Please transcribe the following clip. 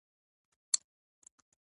د لا ډیر امنیت او خوندیتوب لپاره شوې ده